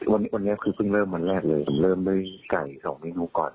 วันนี้คือเพิ่งเริ่มวันแรกเลยเริ่มด้วยไก่๒เมนูก่อน